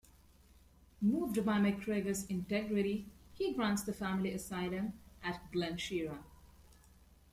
Moved by MacGregor's integrity, he grants the family asylum at Glen Shira.